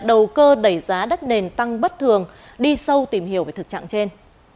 đầu cơ đẩy giá đất nền tăng bất thường đi sâu tìm hiểu về thực trạng trên